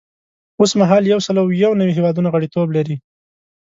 اوس مهال یو سل او یو نوي هیوادونه غړیتوب لري.